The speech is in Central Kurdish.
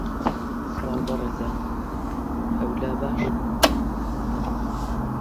سڵاو بەڕێزان، هەوو لا باشن